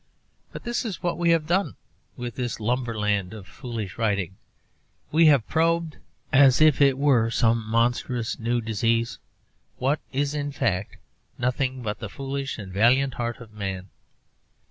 But this is what we have done with this lumberland of foolish writing: we have probed, as if it were some monstrous new disease, what is, in fact, nothing but the foolish and valiant heart of man.